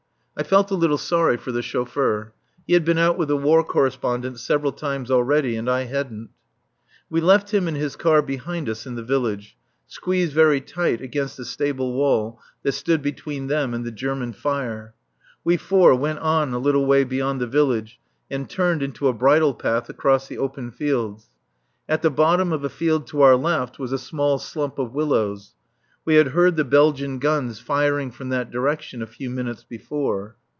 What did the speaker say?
I felt a little sorry for the chauffeur. He had been out with the War Correspondents several times already, and I hadn't. We left him and his car behind us in the village, squeezed very tight against a stable wall that stood between them and the German fire. We four went on a little way beyond the village and turned into a bridle path across the open fields. At the bottom of a field to our left was a small slump of willows; we had heard the Belgian guns firing from that direction a few minutes before.